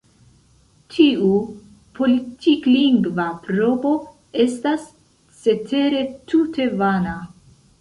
Tiu politik-lingva provo estas cetere tute vana.